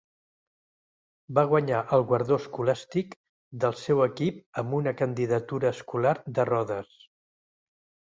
Va guanyar el guardó escolàstic del seu equip amb una candidatura escolar de Rhodes.